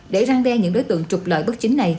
để răng đe những đối tượng trục lợi bất chính này